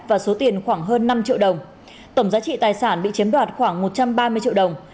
và số tiền khoảng hơn năm triệu đồng tổng giá trị tài sản bị chiếm đoạt khoảng một trăm ba mươi triệu đồng